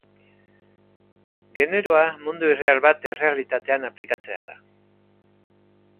Generoa mundu irreal bat errealitatean aplikatzea da.